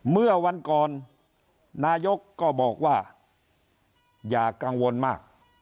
เมื่อวันก่อนนายกก็บอกว่าอย่ากังวลมาก